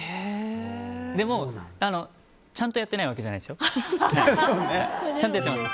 でも、ちゃんとやってないわけじゃないですよ。